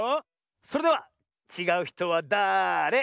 それでは「ちがうひとはだれ？」